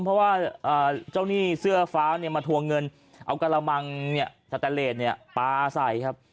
เพราะว่าเจ้าหนี้เสื้อฟ้าเนี่ยมาทวงเงินเอากระมังสแตนเลสเนี่ยปลาใส่ครับ